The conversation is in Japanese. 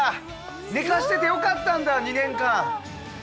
寝かしててよかったんだ２年間。